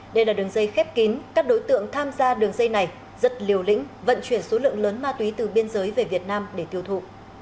đây là đường dây khép kín các đối tượng tham gia đường dây này rất liều lĩnh vận chuyển số lượng lớn ma túy từ biên giới về việt nam để tiêu thụ